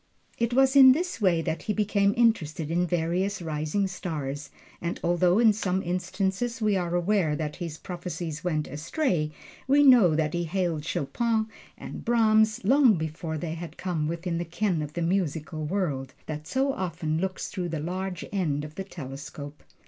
It was in this way that he became interested in various rising stars, and although in some instances we are aware that his prophecies went astray, we know that he hailed Chopin and Brahms long before they had come within the ken of the musical world, that so often looks through the large end of the telescope.